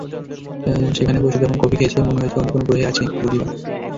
সেখানে বসে যখন কফি খেয়েছি, মনে হয়েছে অন্য কোনো গ্রহে আছি বুঝিবা।